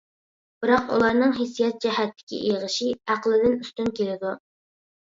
بىراق ئۇلارنىڭ ھېسسىيات جەھەتتىكى ئېغىشى ئەقىلدىن ئۈستۈن كېلىدۇ.